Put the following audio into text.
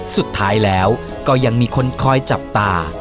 สุดท้ายแล้วก็ยังมีคนคอยจับตา